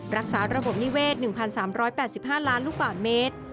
ระบบนิเวศ๑๓๘๕ล้านลูกบาทเมตร